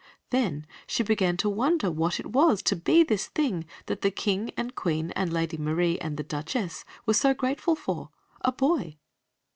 Then she began to wonder what it was to be this thing that the King and Queen and Lady Marie and the Duchess were so grateful for, a boy.